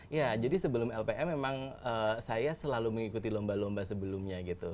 ya jadi sebelum lpm memang saya selalu mengikuti lomba lomba sebelumnya gitu